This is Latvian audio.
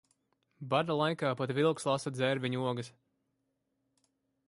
Bada laikā pat vilks lasa dzērveņu ogas.